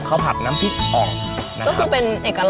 ก็ยังฟิวชั่นอยู่เหมือนเดิม